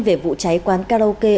về vụ cháy quán karaoke